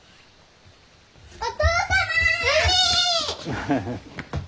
ハハハ。